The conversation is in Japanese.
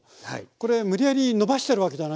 これ無理やり伸ばしてるわけじゃないですよね？